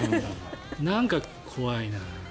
なんか怖いな。